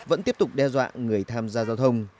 vẫn tiếp tục đe dọa người tham gia giao thông